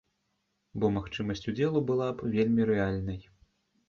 Бо магчымасць удзелу была б вельмі рэальнай.